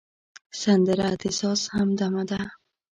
سندره د ساز همدمه ده